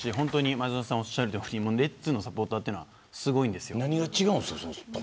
前園さんがおっしゃるようにレッズのサポーターというのはすごいんですよ。